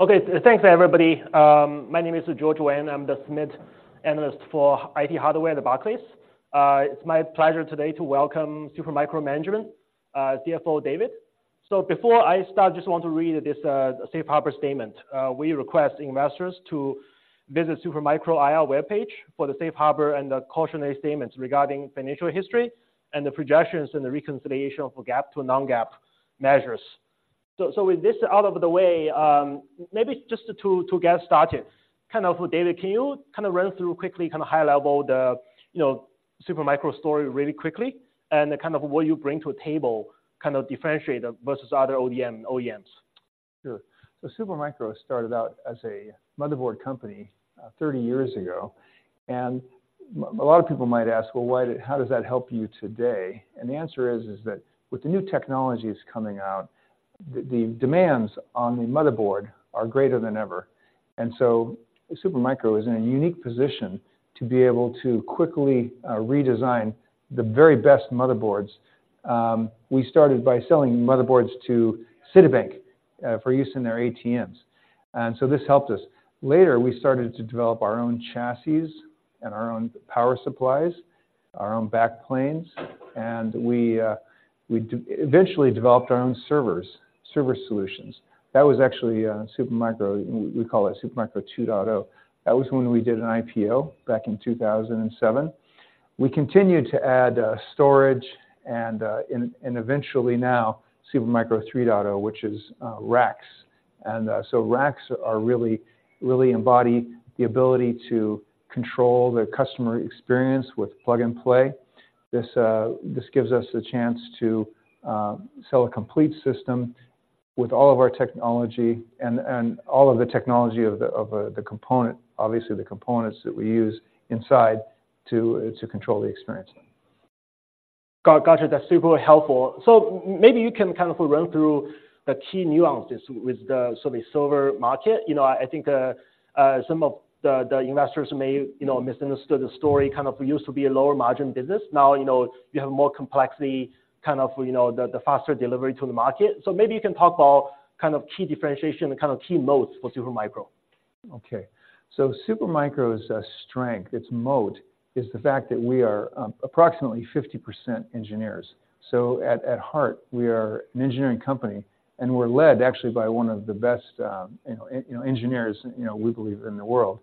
Okay, thanks everybody. My name is George Wang. I'm the semi analyst for IT Hardware at Barclays. It's my pleasure today to welcome Supermicro management, CFO, David. So before I start, I just want to read this safe harbor statement. We request investors to visit Supermicro IR webpage for the safe harbor and the cautionary statements regarding financial history, and the projections, and the reconciliation of GAAP to non-GAAP measures. So with this out of the way, maybe just to get started, kind of, David, can you kind of run through quickly, kind of high level, you know, Supermicro story really quickly, and kind of what you bring to the table, kind of differentiate versus other ODM, OEMs? Sure. So Supermicro started out as a motherboard company, 30 years ago, and a lot of people might ask: Well, how does that help you today? And the answer is that with the new technologies coming out, the demands on the motherboard are greater than ever. And so Supermicro is in a unique position to be able to quickly redesign the very best motherboards. We started by selling motherboards to Citibank for use in their ATMs, and so this helped us. Later, we started to develop our own chassis and our own power supplies, our own backplanes, and we eventually developed our own servers, server solutions. That was actually Supermicro, we call it Supermicro 2.0. That was when we did an IPO back in 2007. We continued to add storage and eventually now, Supermicro 3.0, which is racks. Racks really, really embody the ability to control the customer experience with plug-and-play. This gives us the chance to sell a complete system with all of our technology and all of the technology of the component, obviously, the components that we use inside to control the experience. Got you. That's super helpful. So maybe you can kind of run through the key nuances with the sort of server market. You know, I think, some of the investors may, you know, misunderstood the story, kind of used to be a lower margin business. Now, you know, you have more complexity, kind of, you know, the faster delivery to the market. So maybe you can talk about kind of key differentiation and kind of key modes for Supermicro. Okay. So Supermicro's strength, its moat, is the fact that we are approximately 50% engineers. So at heart, we are an engineering company, and we're led actually by one of the best, you know, engineers, you know, we believe in the world,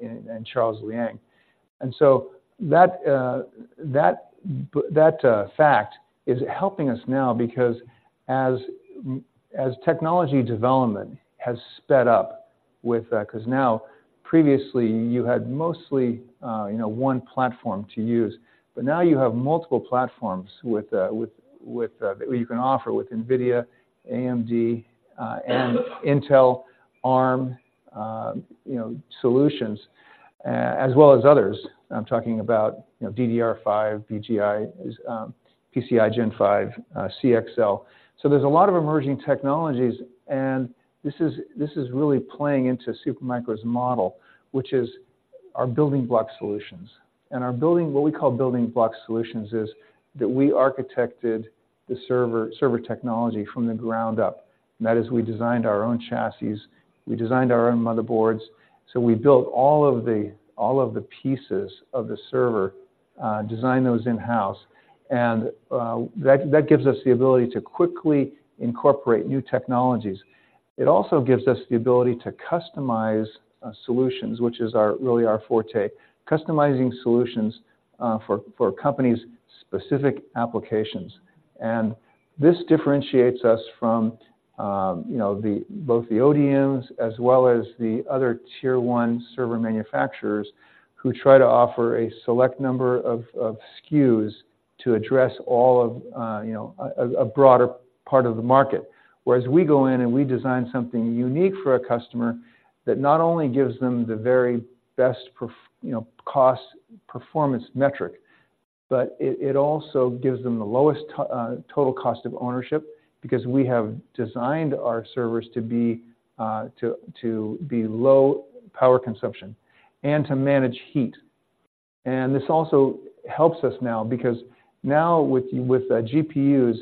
in Charles Liang. And so that fact is helping us now because as technology development has sped up with that, because now previously you had mostly, you know, one platform to use, but now you have multiple platforms with, with, you can offer with NVIDIA, AMD, and Intel, ARM, you know, solutions, as well as others. I'm talking about, you know, DDR5, VGI, PCIe Gen 5, CXL. So there's a lot of emerging technologies, and this is really playing into Supermicro's model, which is our Building Block Solutions. And our building, what we call Building Block Solutions, is that we architected the server technology from the ground up. That is, we designed our own chassis, we designed our own motherboards. So we built all of the pieces of the server, designed those in-house, and that gives us the ability to quickly incorporate new technologies. It also gives us the ability to customize solutions, which is really our forte, customizing solutions for companies' specific applications. And this differentiates us from, you know, both the ODMs as well as the other tier one server manufacturers, who try to offer a select number of SKUs to address all of, you know, a broader part of the market. Whereas we go in and we design something unique for a customer that not only gives them the very best, you know, cost performance metric, but it also gives them the lowest total cost of ownership because we have designed our servers to be low power consumption and to manage heat. This also helps us now, because now with GPUs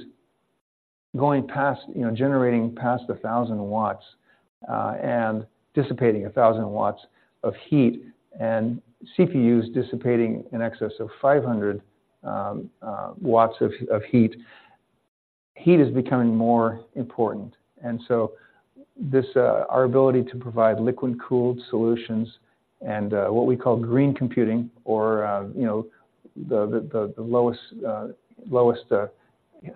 going past, you know, generating past 1,000 watts and dissipating 1,000 watts of heat, and CPUs dissipating in excess of 500 watts of heat, heat is becoming more important. So this, our ability to provide liquid-cooled solutions, and what we call green computing, or you know, the lowest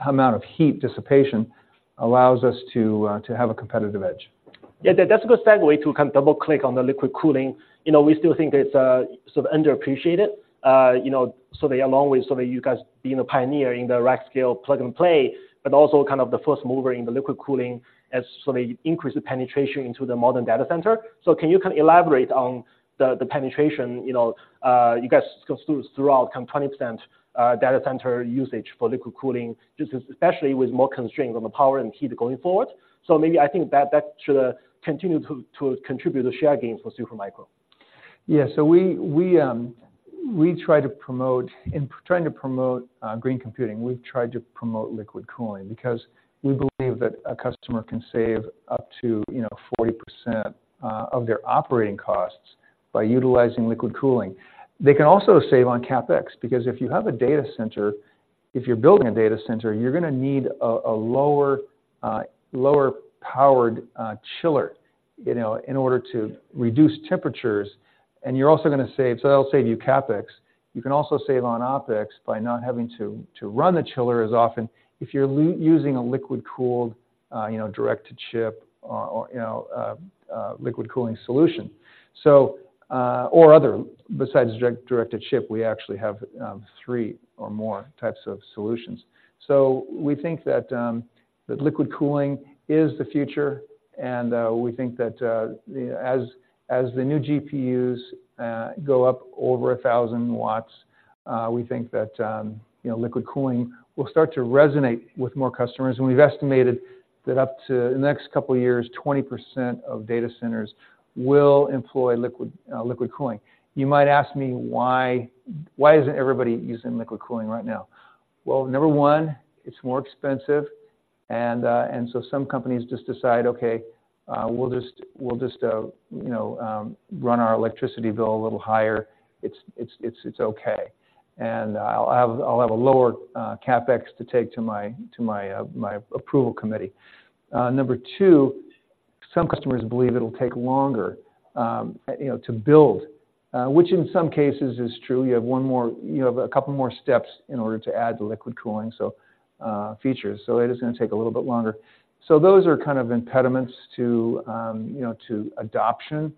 amount of heat dissipation, allows us to have a competitive edge. Yeah, that's a good segue to kind of double click on the liquid cooling. You know, we still think it's sort of underappreciated. You know, so they along with so that you guys being a pioneer in the rack scale, plug-and-play, but also kind of the first mover in the liquid cooling as so they increase the penetration into the modern data center. So can you kind of elaborate on the penetration, you know, you guys go through, throughout kind of 20% data center usage for liquid cooling, just especially with more constraints on the power and heat going forward? So maybe I think that should continue to contribute to share gains for Supermicro. Yeah, so we try to promote, in trying to promote, green computing, we've tried to promote liquid cooling because we believe that a customer can save up to, you know, 40% of their operating costs by utilizing liquid cooling. They can also save on CapEx, because if you have a data center, if you're building a data center, you're gonna need a lower powered chiller, you know, in order to reduce temperatures, and you're also gonna save. So that'll save you CapEx. You can also save on OpEx by not having to run the chiller as often if you're using a liquid-cooled, you know, direct-to-chip or, you know, liquid cooling solution. So, or other, besides direct-to-chip, we actually have three or more types of solutions. So we think that liquid cooling is the future, and we think that, you know, as the new GPUs go up over 1,000 watts, we think that, you know, liquid cooling will start to resonate with more customers. And we've estimated that up to the next couple of years, 20% of data centers will employ liquid cooling. You might ask me, why isn't everybody using liquid cooling right now? Well, number one, it's more expensive, and so some companies just decide: "Okay, we'll just, you know, run our electricity bill a little higher. It's okay. And I'll have a lower CapEx to take to my approval committee." Number two, some customers believe it'll take longer, you know, to build, which in some cases is true. You have a couple more steps in order to add the liquid cooling, so features. So it is gonna take a little bit longer. So those are kind of impediments to, you know, to adoption,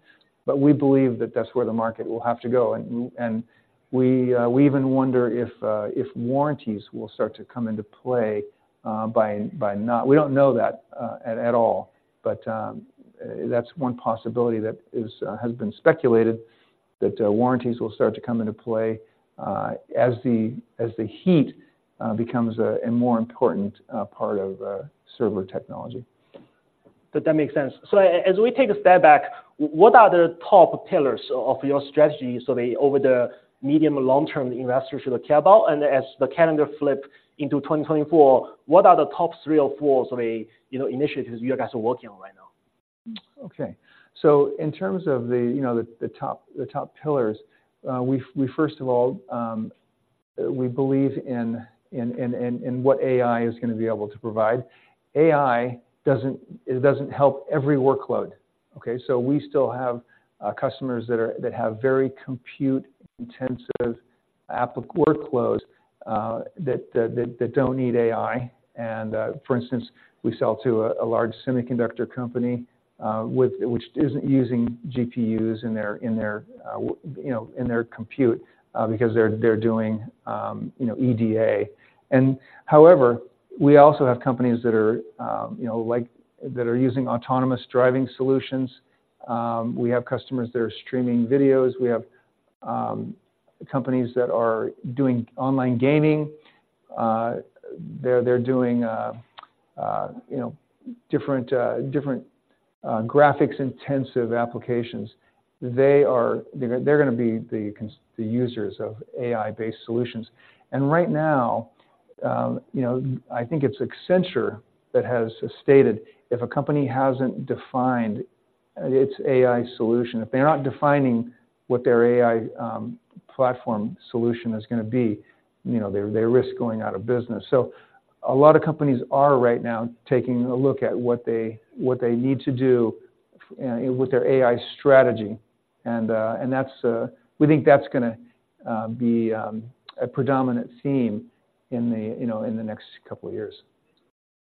but we believe that that's where the market will have to go. And we even wonder if warranties will start to come into play by not... We don't know that at all, but that's one possibility that has been speculated, that warranties will start to come into play, as the heat becomes a more important part of server technology. That makes sense. So as we take a step back, what are the top pillars of your strategy, so the over the medium and long term, the investor should care about? And as the calendar flip into 2024, what are the top three or four, so the, you know, initiatives you guys are working on right now? Okay. So in terms of, you know, the top pillars, we first of all, we believe in what AI is gonna be able to provide. AI doesn't, it doesn't help every workload, okay? So we still have customers that have very compute-intensive app of workloads that don't need AI. And for instance, we sell to a large semiconductor company which isn't using GPUs in their, you know, in their compute because they're doing, you know, EDA. And however, we also have companies that are, you know, like, that are using autonomous driving solutions. We have customers that are streaming videos. We have companies that are doing online gaming. They're doing, you know, different graphics-intensive applications. They're gonna be the users of AI-based solutions. And right now, you know, I think it's Accenture that has stated, if a company hasn't defined its AI solution, if they're not defining what their AI platform solution is gonna be, you know, they, they risk going out of business. So a lot of companies are right now taking a look at what they, what they need to do with their AI strategy, and, and that's... We think that's gonna be a predominant theme in the, you know, in the next couple of years.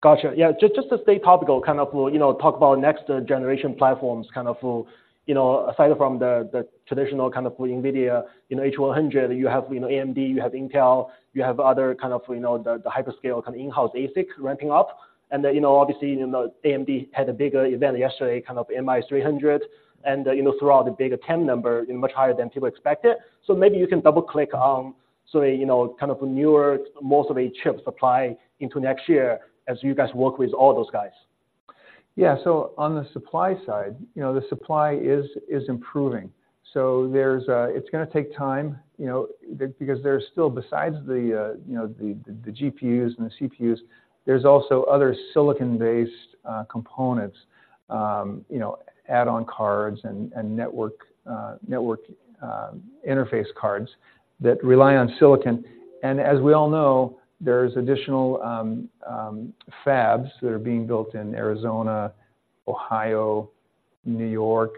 Gotcha. Yeah, just, just to stay topical, kind of, you know, talk about next generation platforms, kind of, you know, aside from the, the traditional kind of NVIDIA, you know, H100, you have, you know, AMD, you have Intel, you have other kind of, you know, the, the hyperscale, kind of, in-house ASIC ramping up. You know, obviously, you know, AMD had a bigger event yesterday, kind of, MI300, and, you know, threw out the bigger TDP number, you know, much higher than people expected. So maybe you can double-click on, so, you know, kind of, a newer, most of a chip supply into next year as you guys work with all those guys. Yeah. So on the supply side, you know, the supply is improving. So there's... It's gonna take time, you know, because there's still, besides the, you know, the GPUs and the CPUs, there's also other silicon-based components, you know, add-on cards and network interface cards that rely on silicon. And as we all know, there's additional fabs that are being built in Arizona, Ohio, New York,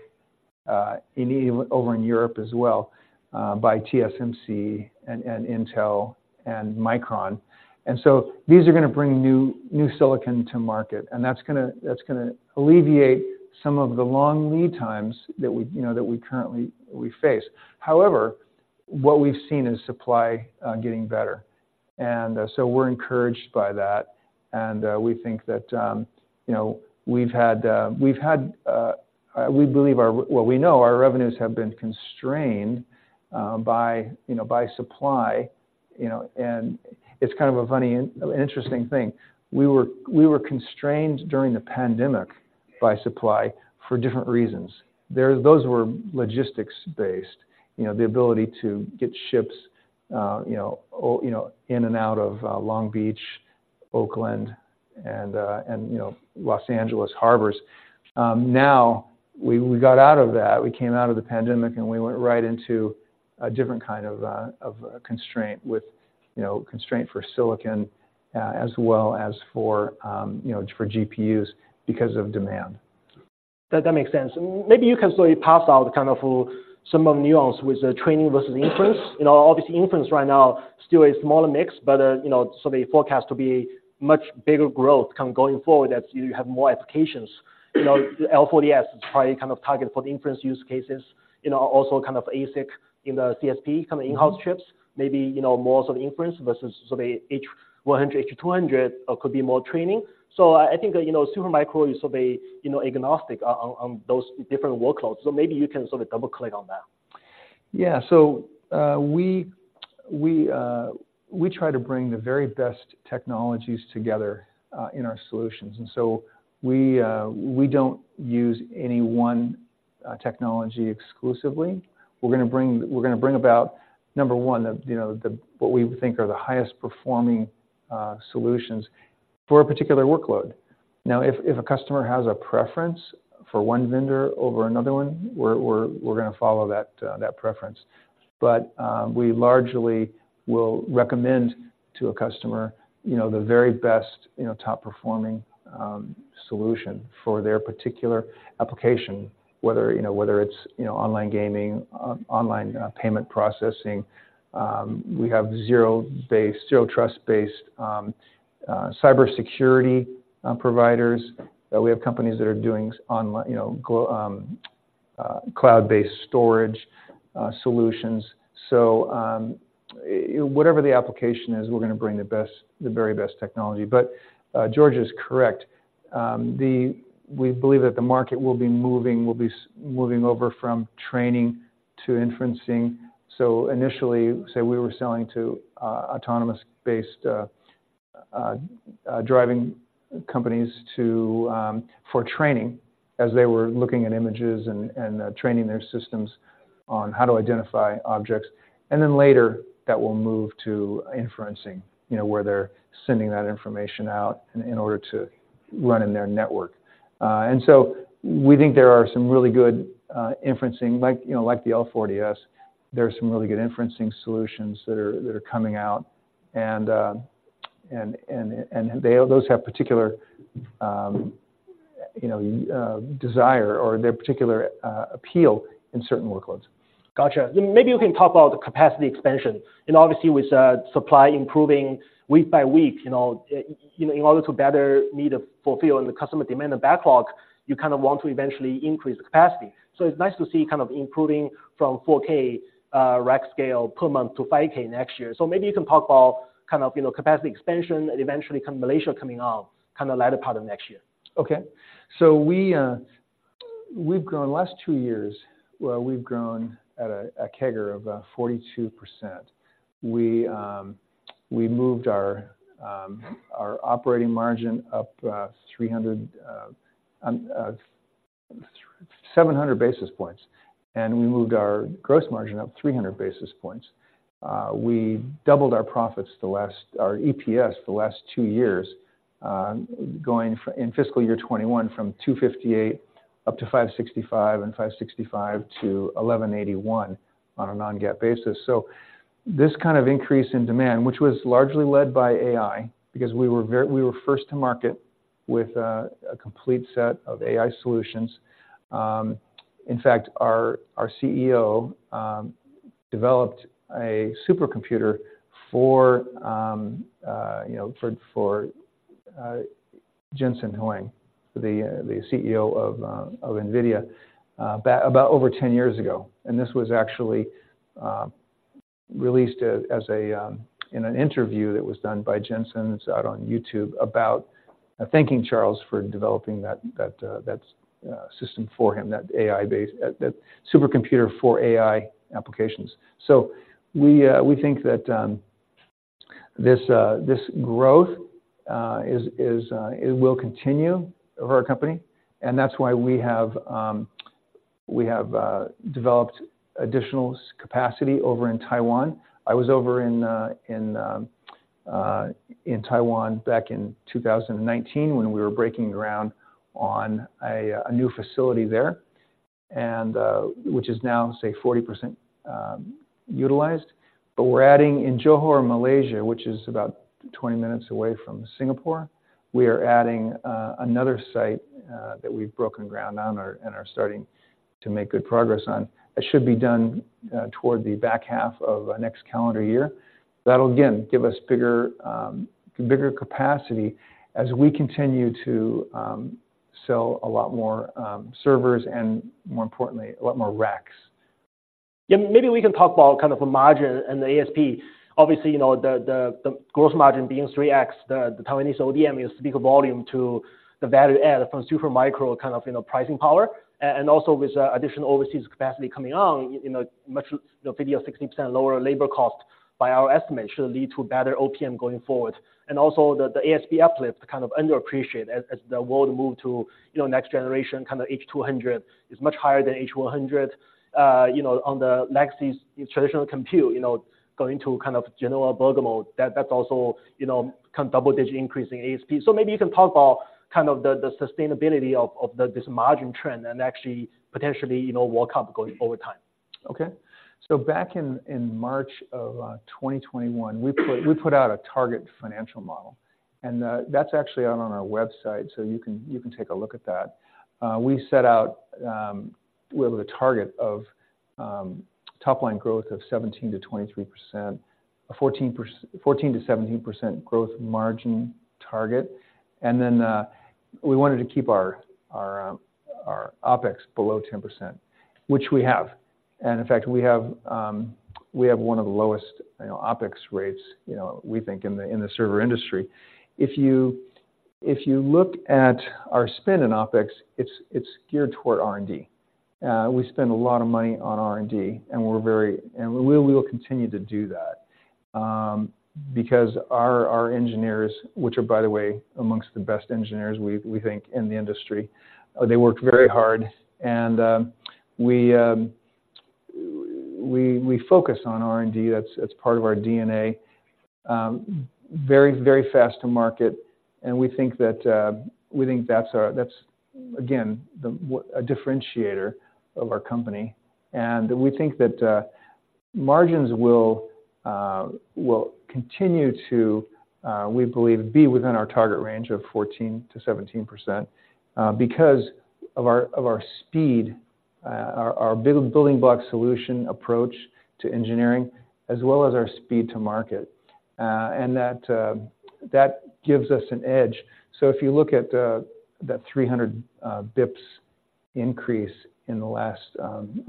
over in Europe as well, by TSMC and Intel and Micron. And so these are gonna bring new silicon to market, and that's gonna alleviate some of the long lead times that we, you know, that we currently face. However, what we've seen is supply getting better, and so we're encouraged by that, and we think that, you know, we've had, we've had, we believe our, what we know, our revenues have been constrained by, you know, by supply... you know, and it's kind of a funny, an interesting thing. We were, we were constrained during the pandemic by supply for different reasons. There, those were logistics based, you know, the ability to get ships, you know, in and out of Long Beach, Oakland, and Los Angeles harbors. Now, we got out of that. We came out of the pandemic, and we went right into a different kind of constraint with, you know, constraint for silicon, as well as for, you know, for GPUs because of demand. That makes sense. Maybe you can sort of pass out kind of some of nuance with the training versus inference. You know, obviously, inference right now still a smaller mix, but, you know, so they forecast to be much bigger growth come going forward as you have more applications. You know, L40S is probably kind of targeted for the inference use cases, you know, also kind of ASIC in the CSP, kind of in-house chips, maybe, you know, more of the inference versus so the H100, H200 could be more training. So I think, you know, Super Micro is sort of, you know, agnostic on, on, on those different workloads. So maybe you can sort of double-click on that. Yeah. So, we try to bring the very best technologies together in our solutions, and so we don't use any one technology exclusively. We're gonna bring about, number one, you know, what we think are the highest performing solutions for a particular workload. Now, if a customer has a preference for one vendor over another one, we're gonna follow that preference. But, we largely will recommend to a customer, you know, the very best, you know, top-performing solution for their particular application, whether, you know, whether it's, you know, online gaming, online payment processing. We have zero-based, zero trust-based cybersecurity providers, that we have companies that are doing online, you know, global cloud-based storage solutions. So, whatever the application is, we're gonna bring the best, the very best technology. But, George is correct. We believe that the market will be moving over from training to inferencing. So initially, say we were selling to autonomous-based driving companies for training as they were looking at images and training their systems on how to identify objects. And then later, that will move to inferencing, you know, where they're sending that information out in order to run in their network. And so we think there are some really good inferencing, like, you know, like the L40S, there are some really good inferencing solutions that are coming out, and they... Those have particular, you know, desire or their particular, appeal in certain workloads. Gotcha. Then maybe you can talk about the capacity expansion. And obviously, with, supply improving week by week, you know, in order to better meet, fulfill on the customer demand and backlog, you kind of want to eventually increase the capacity. So it's nice to see kind of improving from 4K, rack scale per month to 5K next year. So maybe you can talk about kind of, you know, capacity expansion and eventually kind of Malaysia coming on kind of latter part of next year. Okay. So we've grown last two years, well, we've grown at a CAGR of 42%. We moved our operating margin up 700 basis points, and we moved our gross margin up 300 basis points. We doubled our EPS the last two years, going from in fiscal year 2021 $2.58 up to $5.65, and $5.65 to $11.81 on a non-GAAP basis. So this kind of increase in demand, which was largely led by AI, because we were first to market with a complete set of AI solutions. In fact, our CEO developed a supercomputer for, you know, for Jensen Huang, the CEO of NVIDIA, about over 10 years ago. And this was actually released in an interview that was done by Jensen. It's out on YouTube, about thanking Charles for developing that system for him, that AI-based supercomputer for AI applications. So we think that this growth is; it will continue over our company, and that's why we have developed additional capacity over in Taiwan. I was over in Taiwan back in 2019 when we were breaking ground on a new facility there, and which is now, say, 40% utilized. But we're adding in Johor, Malaysia, which is about 20 minutes away from Singapore, we are adding another site that we've broken ground on and are starting to make good progress on. It should be done toward the back half of next calendar year. That'll again give us bigger capacity as we continue to sell a lot more servers and more importantly, a lot more racks. ... Yeah, maybe we can talk about kind of the margin and the ASP. Obviously, you know, the gross margin being 3x, the Taiwanese ODM is bigger volume to the value add from Supermicro, kind of, you know, pricing power. And also with additional overseas capacity coming on in a much, you know, 50% or 60% lower labor cost, by our estimate, should lead to better OPM going forward. And also the ASP uplift kind of underappreciated as the world move to, you know, next generation, kind of H200 is much higher than H100. You know, on the legacy traditional compute, you know, going to kind of Genoa Bergamo, that's also, you know, kind of double-digit increase in ASP. So maybe you can talk about kind of the sustainability of this margin trend and actually potentially, you know, work up going over time. Okay. So back in March of 2021, we put out a target financial model, and that's actually out on our website, so you can take a look at that. We set out with a target of top line growth of 17%-23%, a 14%-17% growth margin target. And then, we wanted to keep our OpEx below 10%, which we have. And in fact, we have one of the lowest, you know, OpEx rates, you know, we think in the server industry. If you look at our spend in OpEx, it's geared toward R&D. We spend a lot of money on R&D, and we're very—and we will continue to do that, because our engineers, which are, by the way, among the best engineers, we think, in the industry, they work very hard and we focus on R&D. That's part of our DNA. Very, very fast to market, and we think that we think that's again a differentiator of our company. And we think that margins will continue to, we believe, be within our target range of 14%-17%, because of our speed, our building block solution approach to engineering, as well as our speed to market. And that gives us an edge. So if you look at that 300% increase in the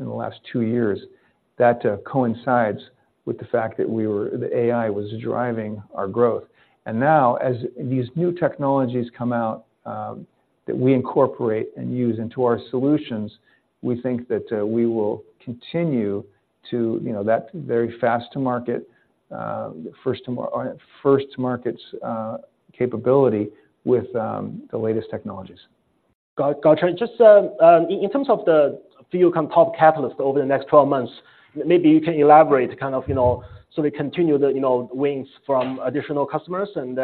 last two years, that coincides with the fact that the AI was driving our growth. And now, as these new technologies come out that we incorporate and use into our solutions, we think that we will continue to, you know, that very fast-to-market, first-to-market capability with the latest technologies. Got it. Just in terms of the few kind of top catalysts over the next 12 months, maybe you can elaborate kind of, you know, so they continue the, you know, wins from additional customers, and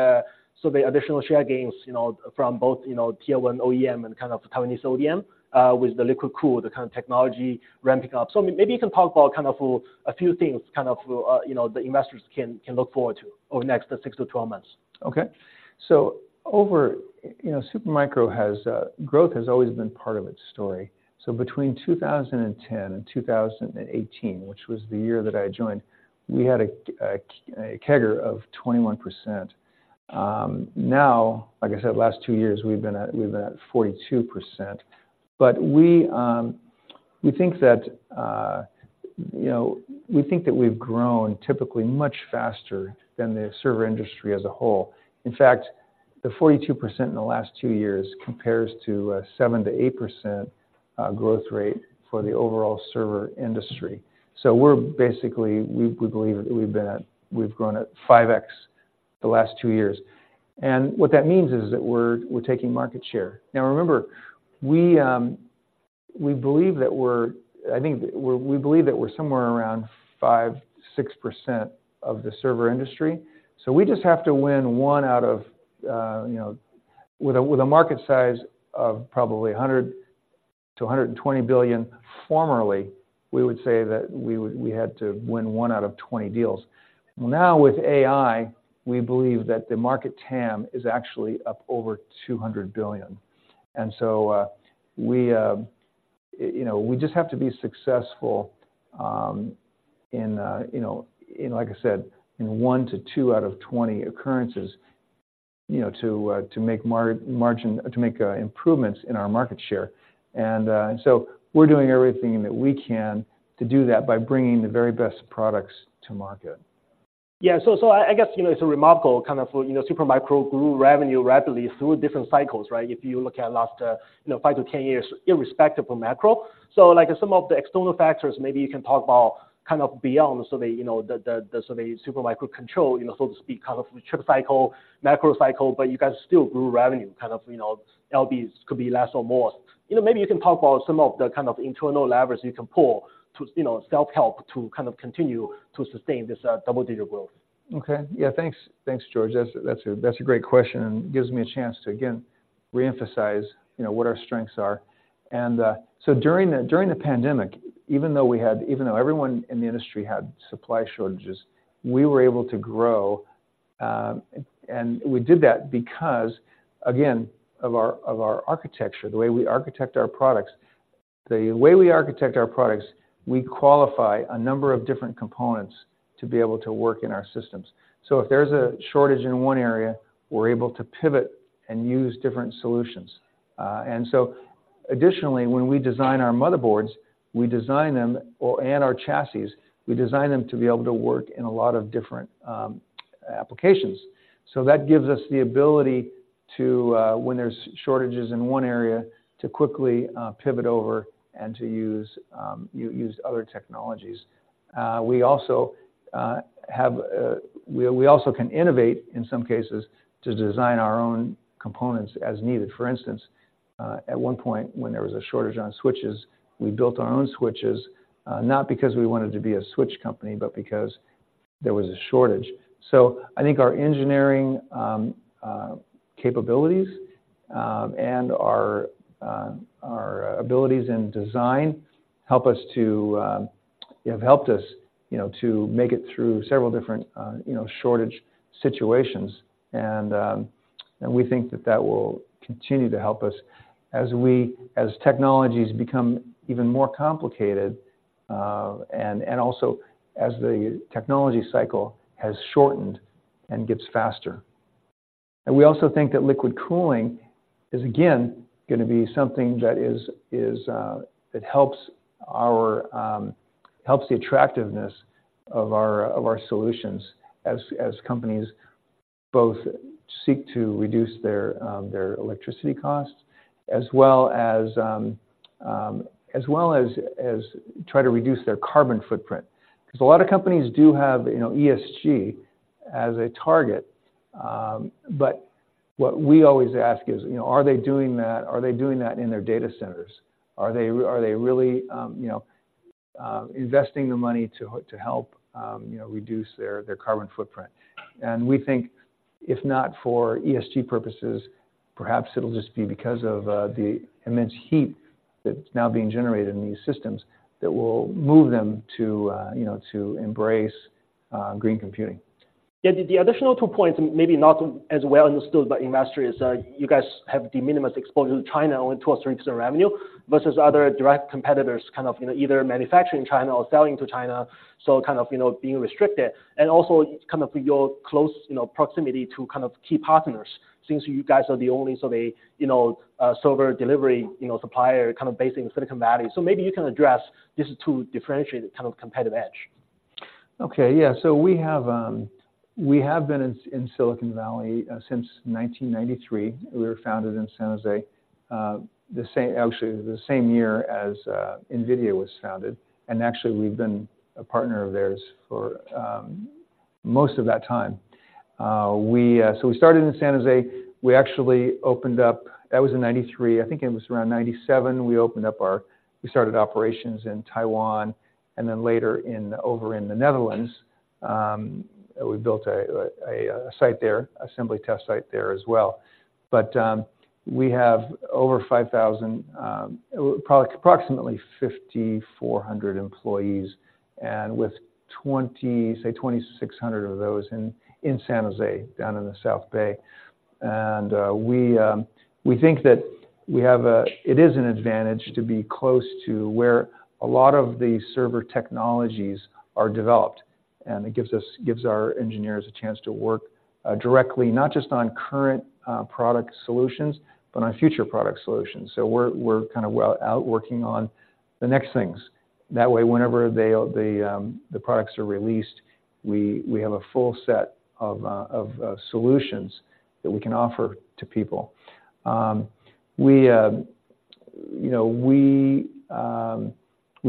so the additional share gains, you know, from both, you know, tier one OEM and kind of Taiwanese ODM, with the liquid cool, the kind of technology ramping up. So maybe you can talk about kind of a few things, kind of, you know, the investors can look forward to over the next six to 12 months. Okay. So over you know, Supermicro has growth has always been part of its story. So between 2010 and 2018, which was the year that I joined, we had a CAGR of 21%. Now, like I said, the last two years, we've been at, we've been at 42%. But we think that, you know, we think that we've grown typically much faster than the server industry as a whole. In fact, the 42% in the last two years compares to a 7%-8% growth rate for the overall server industry. So we're basically, we believe that we've been at we've grown at 5x the last two years. And what that means is that we're taking market share. Now, remember, we believe that we're—I think we believe that we're somewhere around 5%-6% of the server industry, so we just have to win one out of, you know, with a market size of probably $100-$120 billion. Formerly, we would say that we had to win one out of 20 deals. Now, with AI, we believe that the market TAM is actually up over $200 billion. And so, you know, we just have to be successful, in, you know, in like I said, in 1-2 out of 20 occurrences, you know, to make improvements in our market share. And so we're doing everything that we can to do that by bringing the very best products to market. Yeah. So I guess, you know, it's a remarkable kind of, you know, Supermicro grew revenue rapidly through different cycles, right? If you look at last, you know, 5-10 years, irrespective of macro. So like some of the external factors, maybe you can talk about kind of beyond, so the, you know, the, the, the Supermicro control, you know, so to speak, kind of chip cycle, macro cycle, but you guys still grew revenue, kind of, you know, LBs could be less or more. You know, maybe you can talk about some of the kind of internal levers you can pull to, you know, self-help, to kind of continue to sustain this, double-digit growth. Okay. Yeah, thanks. Thanks, George. That's a great question, and it gives me a chance to again reemphasize, you know, what our strengths are. And so during the pandemic, even though everyone in the industry had supply shortages, we were able to grow, and we did that because, again, of our architecture, the way we architect our products. The way we architect our products, we qualify a number of different components to be able to work in our systems. So if there's a shortage in one area, we're able to pivot and use different solutions. And so additionally, when we design our motherboards and our chassis, we design them to be able to work in a lot of different applications. So that gives us the ability to, when there's shortages in one area, to quickly, pivot over and to use other technologies. We also can innovate, in some cases, to design our own components as needed. For instance, at one point, when there was a shortage on switches, we built our own switches, not because we wanted to be a switch company, but because there was a shortage. So I think our engineering capabilities and our abilities in design help us to have helped us, you know, to make it through several different, you know, shortage situations. And we think that that will continue to help us as we, as technologies become even more complicated, and also as the technology cycle has shortened and gets faster. We also think that liquid cooling is again going to be something that helps the attractiveness of our solutions as companies both seek to reduce their electricity costs, as well as try to reduce their carbon footprint. Because a lot of companies do have, you know, ESG as a target. But what we always ask is, you know, are they doing that? Are they doing that in their data centers? Are they really, you know, investing the money to help, you know, reduce their carbon footprint? We think if not for ESG purposes, perhaps it'll just be because of the immense heat that's now being generated in these systems that will move them to, you know, to embrace green computing. Yeah, the additional two points, maybe not as well understood by investors, is, you guys have de minimis exposure to China, only 2 or 3% revenue, versus other direct competitors, kind of, you know, either manufacturing in China or selling to China, so kind of, you know, being restricted. And also kind of your close, you know, proximity to kind of key partners, since you guys are the only sort of a, you know, server delivery, you know, supplier kind of based in Silicon Valley. So maybe you can address these two differentiated kind of competitive edge. Okay. Yeah. So we have been in Silicon Valley since 1993. We were founded in San Jose, actually, the same year as NVIDIA was founded, and actually we've been a partner of theirs for most of that time. We started in San Jose. We actually opened up... That was in 1993. I think it was around 1997, we started operations in Taiwan, and then later over in the Netherlands, we built a site there, assembly test site there as well. But we have over 5,000, approximately 5,400 employees, and with twenty, say, 2,600 of those in San Jose, down in the South Bay. We think that we have an advantage to be close to where a lot of the server technologies are developed, and it gives our engineers a chance to work directly, not just on current product solutions, but on future product solutions. So we're kind of well out working on the next things. That way, whenever the products are released, we have a full set of solutions that we can offer to people. You know, we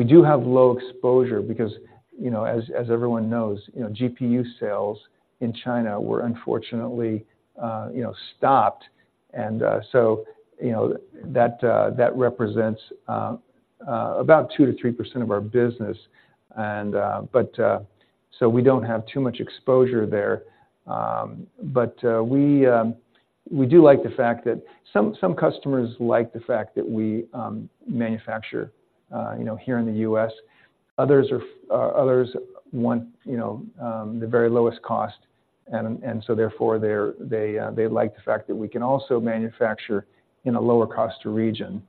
do have low exposure because, as everyone knows, GPU sales in China were unfortunately stopped. So you know, that represents about 2%-3% of our business. We don't have too much exposure there. But we do like the fact that some customers like the fact that we manufacture you know here in the U.S. Others want you know the very lowest cost, and so therefore they like the fact that we can also manufacture in a lower cost region.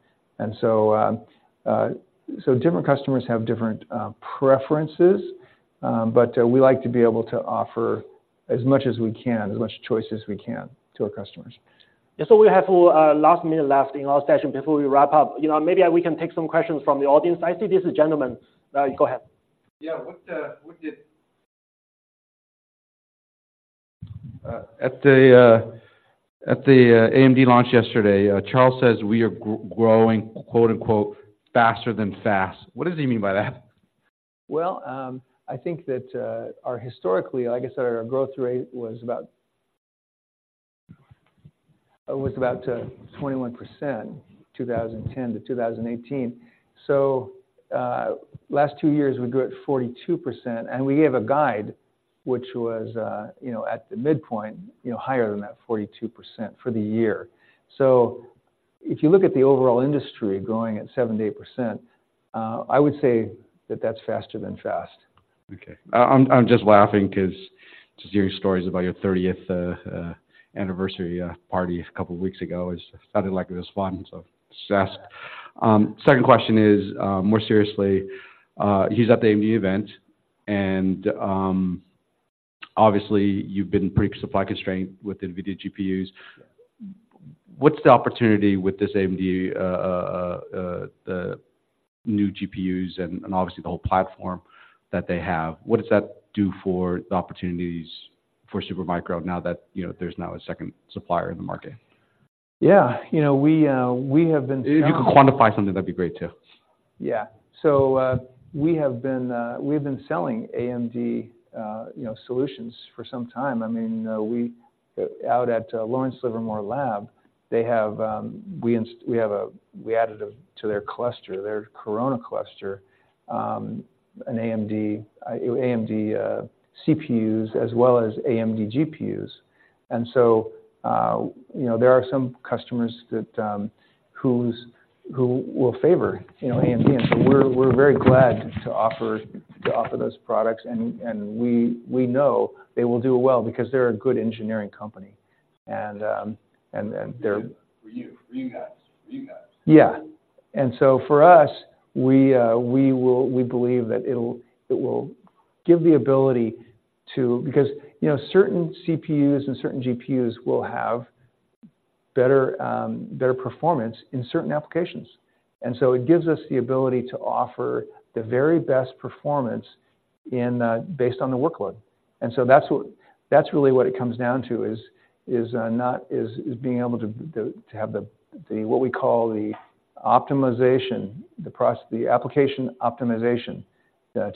So different customers have different preferences, but we like to be able to offer as much as we can, as much choices as we can to our customers. So we have last minute left in our session before we wrap up. You know, maybe we can take some questions from the audience. I see this gentleman. Go ahead. Yeah. At the AMD launch yesterday, Charles says we are growing, quote-unquote, "faster than fast." What does he mean by that? Well, I think that, our historically, like I said, our growth rate was about 21%, 2010 to 2018. So, last two years, we grew at 42%, and we gave a guide, which was, you know, at the midpoint, you know, higher than that 42% for the year. So if you look at the overall industry growing at 7%-8%, I would say that that's faster than fast. Okay. I'm just laughing because just hearing stories about your thirtieth anniversary party a couple of weeks ago. It sounded like it was fun, so just asked. Second question is, more seriously, he's at the AMD event, and obviously, you've been pretty supply constrained with NVIDIA GPUs. What's the opportunity with this AMD, the new GPUs and obviously the whole platform that they have? What does that do for the opportunities for Supermicro now that, you know, there's now a second supplier in the market? Yeah. You know, we have been selling- If you could quantify something, that'd be great, too. Yeah. So, we have been, we've been selling AMD, you know, solutions for some time. I mean, out at Lawrence Livermore Lab, they have, we have added to their cluster, their Corona cluster, an AMD, AMD CPUs, as well as AMD GPUs. And so, you know, there are some customers that, who will favor, you know, AMD. And so we're, we're very glad to offer, to offer those products. And, and we, we know they will do well because they're a good engineering company. And, and, and they're- For you, for you guys. For you guys. Yeah. And so for us, we will. We believe that it will give the ability to... Because, you know, certain CPUs and certain GPUs will have better, better performance in certain applications. And so it gives us the ability to offer the very best performance in, based on the workload. And so that's really what it comes down to, is being able to have the, what we call the optimization, the process, the application optimization,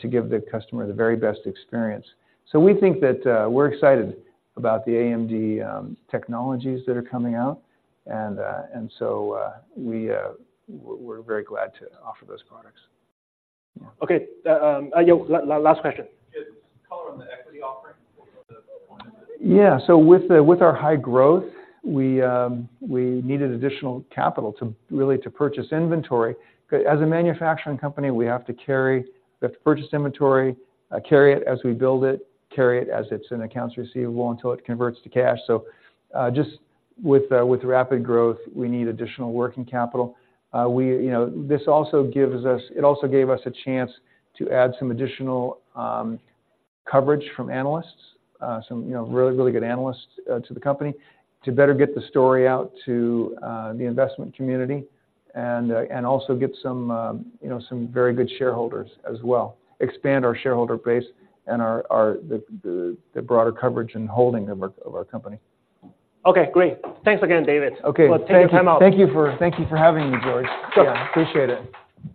to give the customer the very best experience. So we think that, we're excited about the AMD technologies that are coming out. And, and so, we, we're very glad to offer those products. Okay. Last question. Just color on the equity offering, what was the point of it? Yeah. So with our high growth, we needed additional capital to really purchase inventory. As a manufacturing company, we have to carry, we have to purchase inventory, carry it as we build it, carry it as it's an accounts receivable until it converts to cash. So, just with rapid growth, we need additional working capital. We, you know, this also gives us- it also gave us a chance to add some additional coverage from analysts, some, you know, really, really good analysts, to the company, to better get the story out to the investment community, and also get some, you know, some very good shareholders as well. Expand our shareholder base and our broader coverage and holding of our company. Okay, great. Thanks again, David. Okay. For taking the time out. Thank you for having me, George. Sure. Yeah, appreciate it.